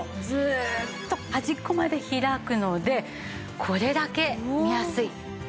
ずーっと端っこまで開くのでこれだけ見やすい。